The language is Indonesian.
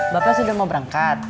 bapak sudah mau berangkat